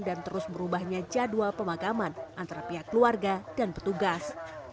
dan terus berubahnya jadwal pemakaman antara pihak keluarga dan petugas